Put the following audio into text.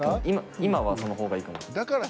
今は、そのほうがいいと思う。